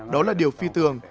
đó là điều phi tường